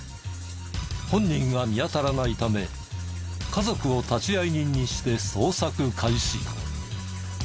本人が見当たらないため家族を立会人にして捜索開始。